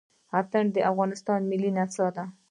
اتڼ د افغانستان ملي نڅا ده.